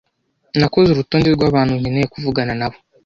Nakoze urutonde rwabantu nkeneye kuvugana nabo.